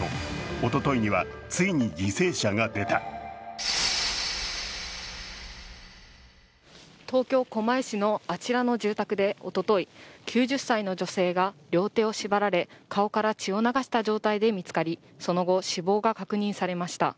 おとといには、ついに犠牲者が出た東京・狛江市のあちらの住宅でおととい、９０歳の女性が両手を縛られ、顔から血を流した状態で見つかり、その後、死亡が確認されました。